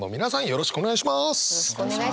よろしくお願いします。